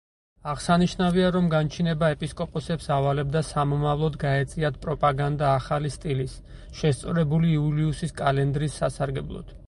აღსანიშნავია, რომ განჩინება ეპისკოპოსებს ავალებდა, სამომავლოდ გაეწიათ პროპაგანდა ახალი სტილის, შესწორებული იულიუსის კალენდრის სასარგებლოდ.